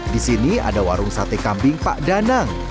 di sini ada warung sate kambing pak danang